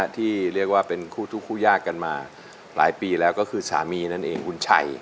ที่เรียกว่าเป็นคู่ทุกคู่ยากกันมาหลายปีแล้วก็คือสามีนั่นเองคุณชัย